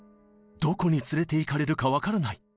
「どこに連れていかれるか分からない」